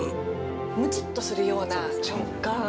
むちっとするような食感。